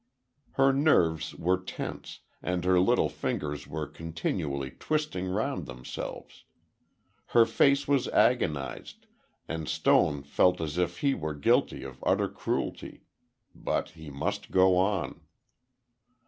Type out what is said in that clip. Her nerves were tense, and her little fingers were continually twisting round themselves. Her face was agonized, and Stone felt as if he were guilty of utter cruelty. But he must go on.